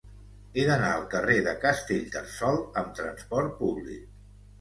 He d'anar al carrer de Castellterçol amb trasport públic.